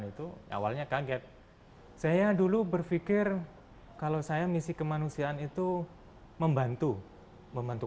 itu awalnya kaget saya dulu berpikir kalau saya misi kemanusiaan itu membantu membantu